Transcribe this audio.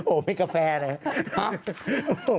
โอ้ไม่กาแฟเลย